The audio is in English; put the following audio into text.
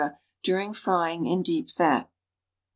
during frying in deep fat?